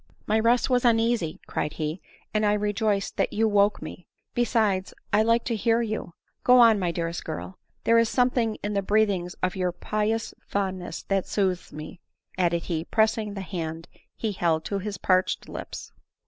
" My rest was uneasy," cried he, " and I rejoice that you woke me ; besides, I like to hear you— go on, my dearest girl ; there is something in the breathings of your pious fondness that sooths me,'' added he, pressing the hand be held to bis parched lips.